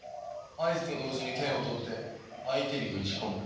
合図と同時に剣を取って相手に打ち込む。